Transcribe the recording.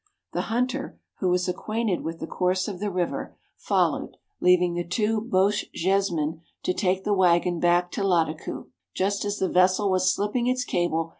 The hunter, who was acquainted with the course of the river, followed, leaving the two Bochjesmen to take the waggon back to Lattakoo. Just as the vessel was slipping its cable.